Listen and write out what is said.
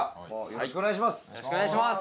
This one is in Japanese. よろしくお願いします！